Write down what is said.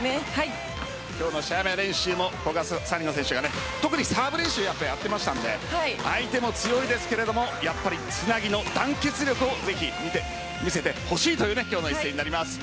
今日の試合練習も古賀紗理那選手が特にサーブ練習やっていましたので相手も強いですがやっぱりつなぎの団結力をぜひ見せてほしいという今日の一戦になります。